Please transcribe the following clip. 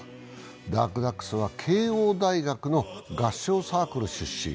ダークダックスは慶応大学の合唱サークル出身。